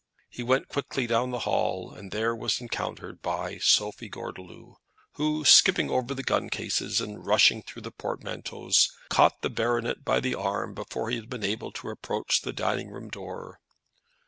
He went quickly down into the hall, and there was encountered by Sophie Gordeloup, who, skipping over the gun cases, and rushing through the portmanteaus, caught the baronet by the arm before he had been able to approach the dining room door.